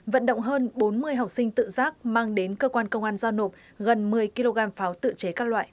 vận động hơn bốn mươi học sinh tự giác mang đến cơ quan công an giao nộp gần một mươi kg pháo tự chế các loại